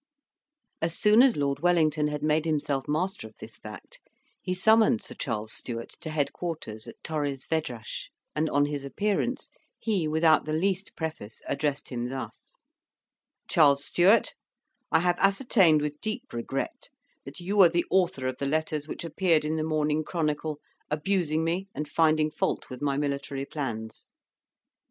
As soon as Lord Wellington had made himself master of this fact, he summoned Sir Charles Stewart to head quarters at Torres Vedras; and on his appearance, he, without the least preface, addressed him thus: "Charles Stewart, I have ascertained with deep regret that you are the author of the letters which appeared in the Morning Chronicle abusing me and finding fault with my military plans."